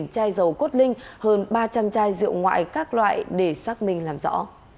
hai chai dầu cốt linh hơn ba trăm linh chai rượu ngoại các loại để xác minh làm rõ